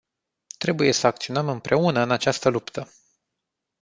Trebuie să acționăm împreună în această luptă.